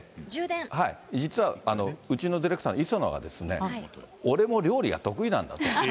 実は、うちのディレクターの磯野が、俺も料理が得意なんだと。